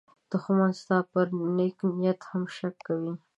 دښمن ستا پر نېک نیت هم شک کوي